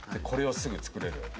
これをすぐ作れる。